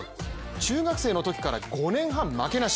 中学生のときから５年半負けなし。